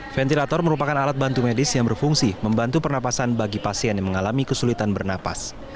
ventilator merupakan alat bantu medis yang berfungsi membantu pernapasan bagi pasien yang mengalami kesulitan bernapas